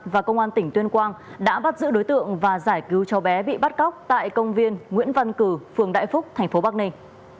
và công an tỉnh tuyên quang đã bắt giữ đối tượng và giải cứu cháu bé bị bắt cóc tại công viên nguyễn văn cử phường đại phúc thành phố bắc ninh